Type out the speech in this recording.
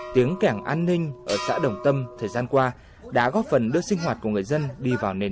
tiếng kẻng an ninh ở xã đồng tâm thời gian qua đã góp phần đưa sinh hoạt của người dân đi vào nền